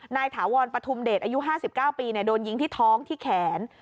ถาวรปฐุมเดชอายุ๕๙ปีโดนยิงที่ท้องที่แขน